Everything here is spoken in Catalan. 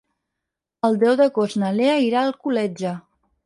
El deu d'agost na Lea irà a Alcoletge.